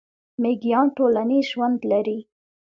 میږیان ټولنیز ژوند لري